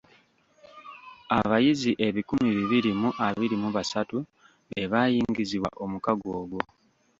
Abayizi ebikumi bibiri mu abiri mu basatu be baayingizibwa omwaka ogwo.